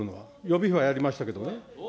予備費はやりましたけどね。